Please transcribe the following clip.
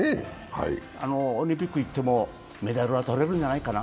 オリンピック行ってもメダルは取れるんじゃないかな。